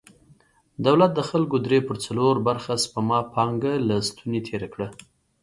دولت د خلکو درې پر څلور برخه سپما پانګه له ستونې تېره کړه.